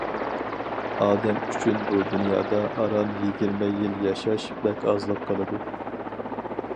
ئادەم ئۈچۈن بۇ دۇنيادا ئاران يىگىرمە يىل ياشاش بەك ئازلىق قىلىدۇ.